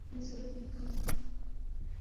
کسی صورت نہیں کھل سکتا